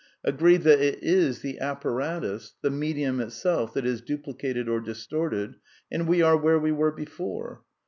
Agree that it is the apparatus, the medium itself, that is duplicated or distorted, and we are where we were before.